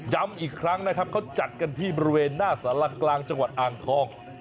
ย้ำอีกครั้งนะครับเขาจัดกันที่บริเวณหน้าสารันกลางจังหวัดอ่างทอง